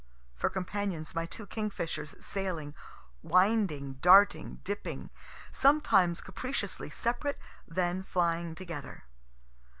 For companions my two kingfishers sailing, winding, darting, dipping, sometimes capriciously separate, then flying together.